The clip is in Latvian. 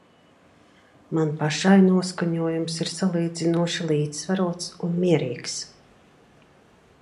Man pašai noskaņojums ir salīdzinoši līdzsvarots un mierīgs.